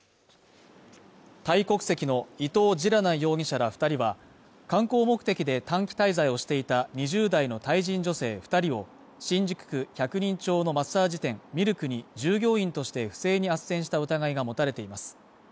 タイ国籍のイトウ・ジラナン容疑者ら２人は、観光目的で短期滞在をしていた２０代のタイ人女性２人を新宿区百人町のマッサージ店ミルクに従業員として不正にあっせんした疑いが持たれています。